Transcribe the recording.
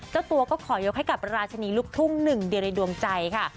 เจ้าตัวก็ขอยกให้กับราชนีลูกทุ่งหนึ่งเดียวในดวงใจค่ะ